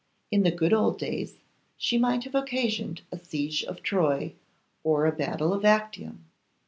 In the good old days she might have occasioned a siege of Troy or a battle of Actium.